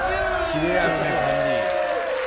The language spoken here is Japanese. キレあるね３人。